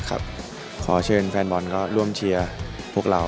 ขอเชิญแฟนบอลก็ร่วมเชียร์พวกเรา